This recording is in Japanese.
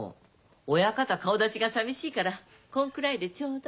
親方顔だちがさみしいからこんくらいでちょうど。